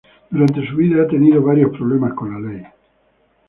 Durante su vida ha tenido varios problemas con la ley.